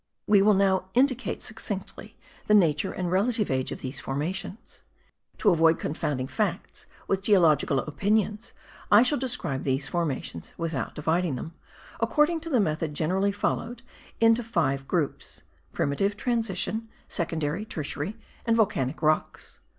We will now indicate succinctly the nature and relative age of these formations. To avoid confounding facts with geologic opinions I shall describe these formations, without dividing them, according to the method generally followed, into five groups primitive, transition, secondary, tertiary and volcanic rocks.